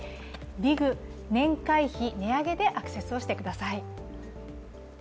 「ＤＩＧ年会費値上げ」でアクセスしてください。